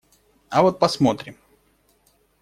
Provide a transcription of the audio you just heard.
А вот посмотрим!